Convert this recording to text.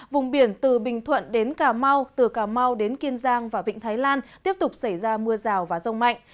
vùng biển từ bình thuận đến cà mau từ cà mau đến kiên giang và vịnh thái lan tiếp tục xảy ra mưa rào và rông mạnh